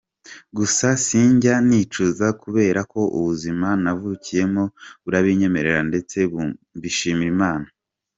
Gusa sinjya nicuza kuberako ubuzima navukiyemo burabinyemerera ndetse mbishimira Imana.